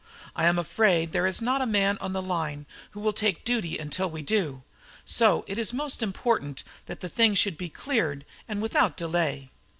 I am afraid there is not a man on the line who will take duty until we do. So it is most important that the thing should be cleared, and without delay."